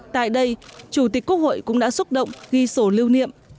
tại đây chủ tịch quốc hội cũng đã xúc động ghi sổ lưu niệm